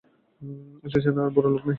স্টেশনে আর বড়ো লোক নাই।